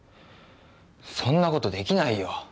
そんなことできないよ。